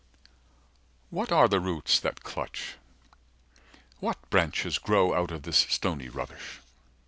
What are the roots that clutch, what branches grow Out of this stony rubbish?